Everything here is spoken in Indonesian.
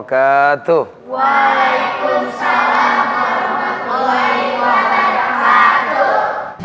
waalaikumsalam warahmatullahi wabarakatuh